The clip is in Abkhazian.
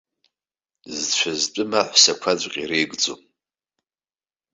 Зцәа зтәым аҳәсақәаҵәҟьа иреигӡом.